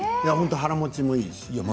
腹もちがいいし。